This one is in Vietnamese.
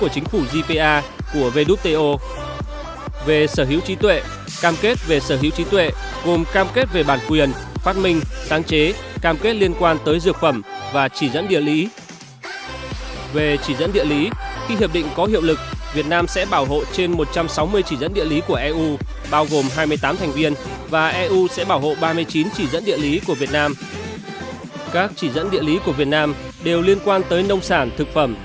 các chỉ dẫn địa lý của việt nam đều liên quan tới nông sản thực phẩm